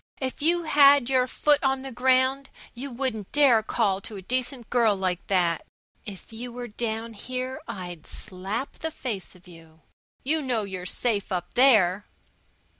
"If you had your foot on the ground you wouldn't dast call to a decent girl like that. If you were down here I'd slap the face of you. You know you're safe up there."